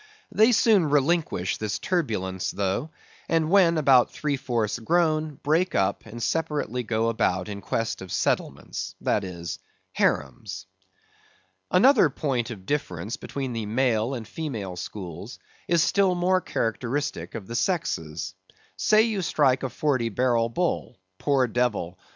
They soon relinquish this turbulence though, and when about three fourths grown, break up, and separately go about in quest of settlements, that is, harems. Another point of difference between the male and female schools is still more characteristic of the sexes. Say you strike a Forty barrel bull—poor devil!